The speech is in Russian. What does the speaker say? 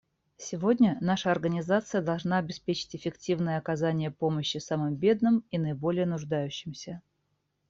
Сегодня наша Организация должна обеспечить эффективное оказание помощи самым бедным и наиболее нуждающимся.